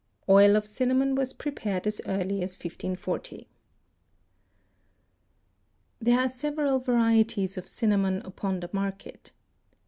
Oil of cinnamon was prepared as early as 1540. There are several varieties of cinnamon upon the market.